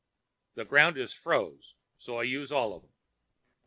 The ground is froze, so I use all of them.